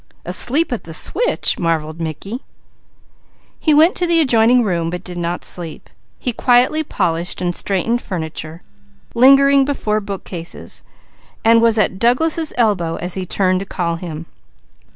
"Asleep at the switch!" marvelled Mickey. He went to the adjoining room but did not sleep. He quietly polished and straightened furniture, lingered before bookcases and was at Douglas' elbow as he turned to call him.